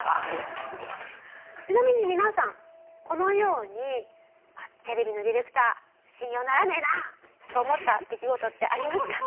ちなみに皆さんこのようにテレビのディレクター信用ならねえなと思った出来事ってありますか？